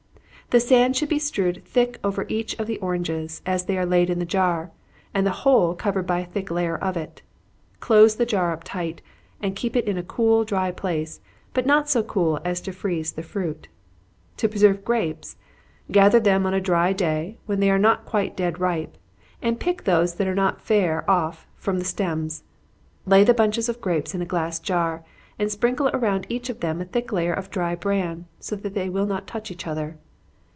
The sand should be strewed thick over each one of the oranges, as they are laid in the jar, and the whole covered with a thick layer of it. Close the jar up tight, and keep it in a cool dry place, but not so cool as to freeze the fruit. To preserve grapes, gather them on a dry day, when they are not quite dead ripe, and pick those that are not fair off from the stems. Lay the bunches of grapes in a glass jar, and sprinkle around each of them a thick layer of dry bran, so that they will not touch each other.